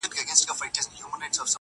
د چا دغه د چا هغه ورته ستايي!!